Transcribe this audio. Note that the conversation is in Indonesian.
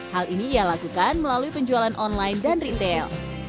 hal ini ia lakukan melalui penjualan online dan retail